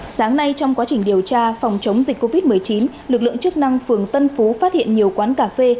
sáng nay trong quá trình điều tra phòng chống dịch covid một mươi chín lực lượng chức năng phường tân phú phát hiện nhiều quán cà phê